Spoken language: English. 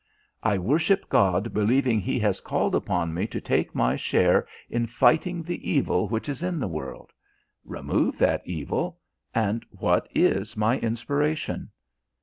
I worship God believing He has called upon me to take my share in fighting the evil which is in the world. Remove that evil, and what is my inspiration?